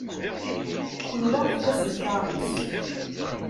Kul wa efk-as lkaṛ-is.